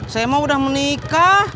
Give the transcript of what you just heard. saya mah udah menikah